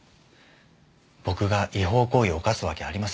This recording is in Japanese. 僕が違法行為を犯すわけありません。